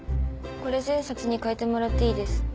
これ１０００円札に替えてもらっていいです。